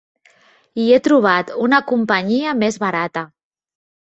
I he trobat una companyia més barata.